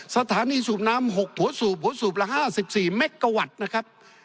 สถานีสูบน้ำ๖หัวสูบหัวสูบละ๕๔เมกะวัตต์นะครับ